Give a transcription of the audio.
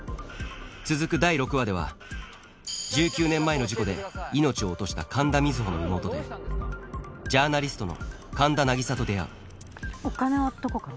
続く第６話では１９年前の事故で命を落とした神田水帆の妹でジャーナリストの神田凪沙と出会うお金はどこから？